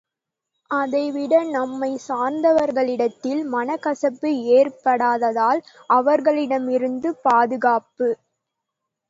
அதைவிட நம்மைச் சார்ந்தவர்களிடத்தில் மனக்கசப்பு ஏற்படாததால் அவர்களிடமிருந்தும் பாதுகாப்பு!